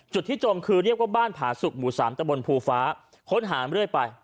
จุดที่จมคือเรียกว่าบ้านผาสุกหมู่๓ตะบนภูฟ้าค้นหาเรื่อยไป